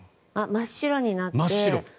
真っ白になって。